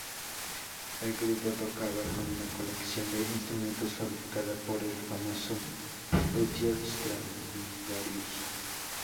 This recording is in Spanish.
El grupo tocaba con una colección de instrumentos fabricada por el famoso luthier Stradivarius.